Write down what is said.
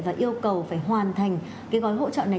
và yêu cầu phải hoàn thành cái gói hỗ trợ này